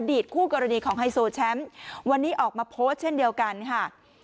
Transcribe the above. คู่กรณีของไฮโซแชมป์วันนี้ออกมาโพสต์เช่นเดียวกันค่ะ